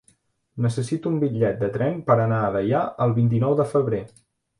Necessito un bitllet de tren per anar a Deià el vint-i-nou de febrer.